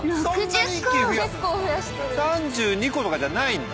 ⁉３２個とかじゃないんだ。